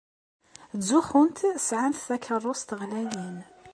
Ttxuzzunt sɛant takeṛṛust ɣlayen.